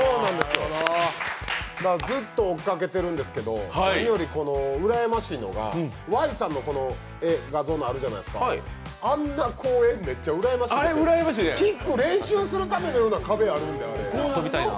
ずっと追いかけてるんですけど、何よりうらやましいのがＹさんの画像のあるじゃないですか、あんな公園、めっちゃうらやましいキック練習するためのような壁あるんですよ。